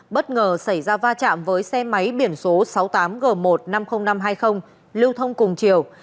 bất ngờ xảy ra va chạm với xe máy biển số sáu mươi tám g một trăm năm mươi nghìn năm trăm hai mươi lưu thông cùng chiều